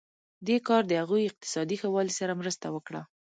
دې کار د هغوی اقتصادي ښه والی سره مرسته وکړه.